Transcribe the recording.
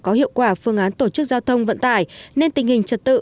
có hiệu quả phương án tổ chức giao thông vận tải nên tình hình trật tự